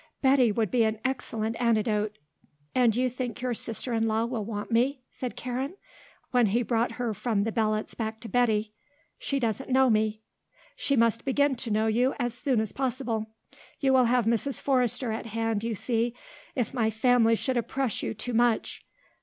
Betty would be an excellent antidote. "And you think your sister in law will want me?" said Karen, when he brought her from the Belots back to Betty. "She doesn't know me." "She must begin to know you as soon as possible. You will have Mrs. Forrester at hand, you see, if my family should oppress you too much.